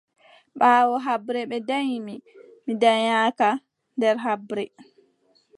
Ɓaawo haɓre ɓe danyi mi, mi danyaaka nder haɓre.